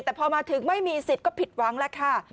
แต่พอมาถึงไม่มีสิทธิ์ก็ผิดหวังแล้วค่ะ